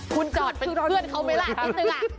คุณจอดเป็นเพื่อนเขาไหมล่ะชิคกี้พาย